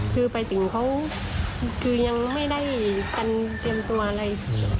คือไปถึงเขาคือยังไม่ได้กันเตรียมตัวอะไร